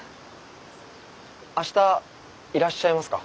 明日いらっしゃいますか？